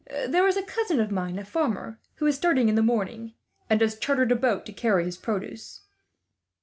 "There is a cousin of mine, a farmer, who is starting in the morning, and has chartered a boat to carry his produce.